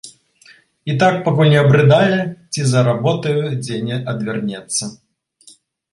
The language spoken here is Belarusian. І так, пакуль не абрыдае ці за работаю дзе не адвернецца.